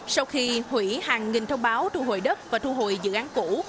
sau khi hủy hàng nghìn thông báo thu hồi đất và thu hồi dự án cũ